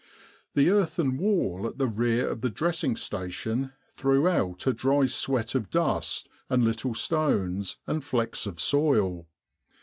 The earthen wall at the rear of the dressing station threw out a dry sweat of dust and little stones and flecks of soil.